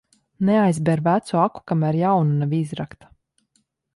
Neaizber vecu aku, kamēr jauna nav izrakta.